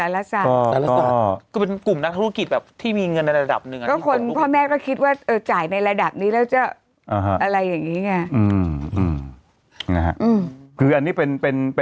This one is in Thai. แล้วก็มีแบบว่ามีใครแบบเซลต์หรือลูกเซลต์